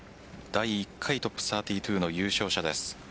第１回ＴＯＰ３２の優勝者です。